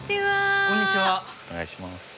お願いします。